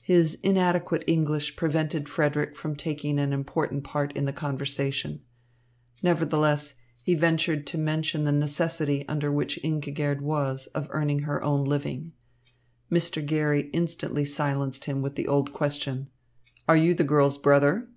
His inadequate English prevented Frederick from taking an important part in the conversation. Nevertheless, he ventured to mention the necessity under which Ingigerd was of earning her own living. Mr. Garry instantly silenced him with the old question: "Are you the girl's brother?"